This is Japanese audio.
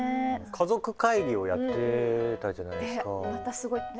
家族会議をやってたじゃないですか。